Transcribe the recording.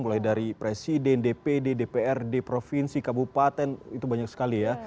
mulai dari presiden dpd dprd provinsi kabupaten itu banyak sekali ya